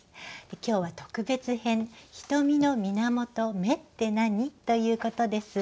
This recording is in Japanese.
今日は特別編「ひとみのみなもと『目』って何？」ということです。